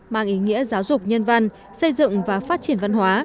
mang ý nghĩa giáo dục nhân văn xây dựng và phát triển văn hóa